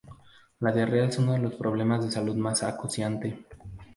La diarrea es uno de los problemas de salud más acuciante.